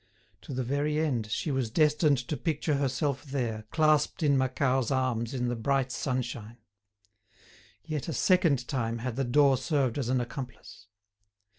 To the very end, she was destined to picture herself there, clasped in Macquart's arms in the bright sunshine. Yet a second time had the door served as an accomplice.